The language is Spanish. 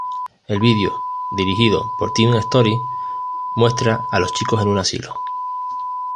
El vídeo, dirigido por Tim Story, muestra a los chicos en un asilo.